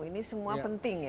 ini semua penting ya